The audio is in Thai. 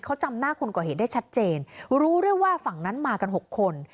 เขาจำหน้าคนก่อเหตุได้ชัดเจนรู้ด้วยว่าฝั่งนั้นมากัน๖คน